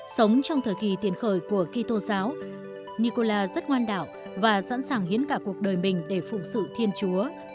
sống trong thời kỳ tiền khởi của kỳ tô giáo nikola rất ngoan đạo và sẵn sàng hiến cả cuộc đời mình để phụng sự